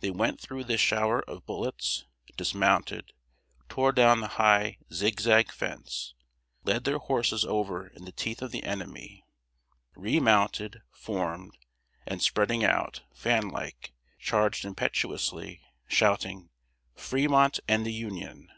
They went through this shower of bullets, dismounted, tore down the high zig zag fence, led their horses over in the teeth of the enemy, remounted, formed, and, spreading out, fan like, charged impetuously, shouting "Fremont and the Union."